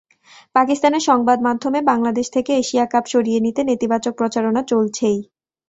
পাকিস্তানের সংবাদমাধ্যমে বাংলাদেশ থেকে এশিয়া কাপ সরিয়ে নিতে নেতিবাচক প্রচারণা চলছেই।